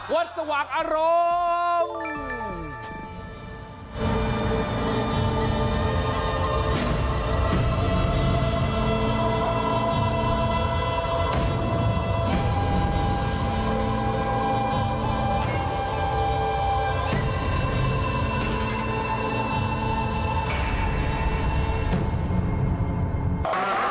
วัดสวากอารมณ์